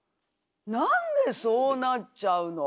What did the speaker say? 「なんでそうなっちゃうの？」。